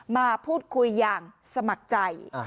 มาพูดคุยอย่างสมัครใจ